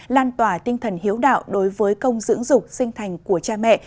lan tỏa tinh thần hiếu đạo đối với công dưỡng dục sinh thành của cha mẹ